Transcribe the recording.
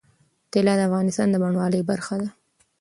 طلا د افغانستان د بڼوالۍ برخه ده.